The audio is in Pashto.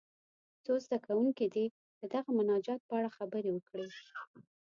څو زده کوونکي دې د دغه مناجات په اړه خبرې وکړي.